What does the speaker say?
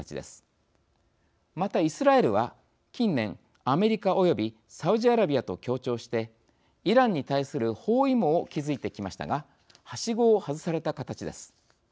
またイスラエルは近年アメリカおよびサウジアラビアと協調してイランに対する包囲網を築いてきましたがはしごを外された形です。